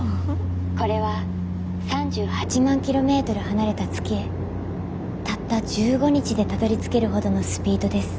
これは３８万キロメートル離れた月へたった１５日でたどりつけるほどのスピードです。